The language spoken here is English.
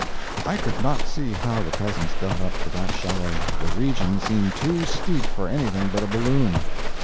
I could not see how the peasants got up to that chalet the region seemed too steep for anything but a balloon.